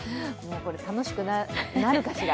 これ、楽しくなるかしら。